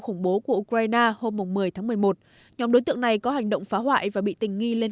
khủng bố của ukraine hôm một mươi tháng một mươi một nhóm đối tượng này có hành động phá hoại và bị tình nghi lên